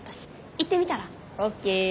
行ってみたら？ＯＫ。